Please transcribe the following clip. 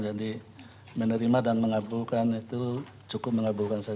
jadi menerima dan mengabulkan itu cukup mengabulkan